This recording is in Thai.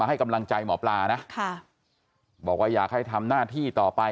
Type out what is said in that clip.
ให้กำลังใจหมอปลานะค่ะบอกว่าอยากให้ทำหน้าที่ต่อไป